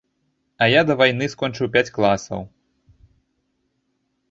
А я да вайны скончыў пяць класаў.